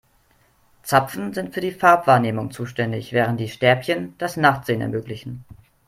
Zapfen sind für die Farbwahrnehmung zuständig, während die Stäbchen das Nachtsehen ermöglichen.